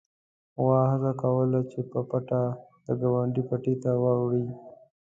غوا هڅه کوله چې په پټه د ګاونډي پټي ته واوړي.